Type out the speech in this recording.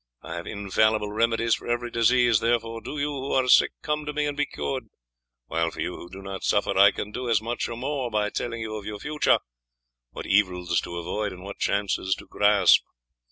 I have infallible remedies for every disease, therefore do you who are sick come to me and be cured; while for you who do not suffer I can do as much or more, by telling you of your future, what evils to avoid and what chances to grasp."